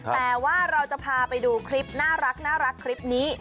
แต่ว่าเราจะพาไปดูคลิปน่ารักคลิปนี้